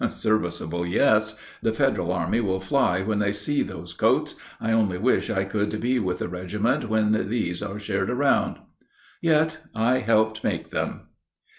"Serviceable yes! The Federal army will fly when they see those coats! I only wish I could be with the regiment when these are shared around." Yet I helped make them.